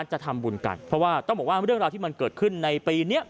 จะทำบุญกันเพราะว่าต้องบอกว่าเรื่องราวที่มันเกิดขึ้นในปีนี้